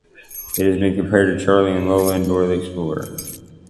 It has been compared to Charlie and Lola and Dora the Explorer.